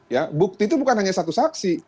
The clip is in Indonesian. ya bukti itu bukan hanya satu saksi